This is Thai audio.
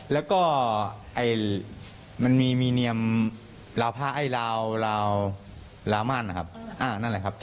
แล้วก็มันมีมีเนียมราวพระไอ้ราวราวรามั่นนะครับ